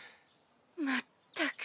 まったく。